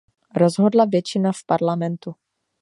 Rozhodla většina v Parlamentu.